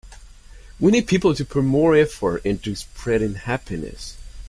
We need people to put more effort into spreading happiness.